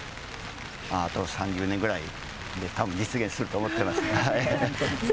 あと３０年ぐらいでたぶん実現すると思っております。